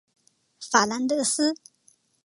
法兰德斯。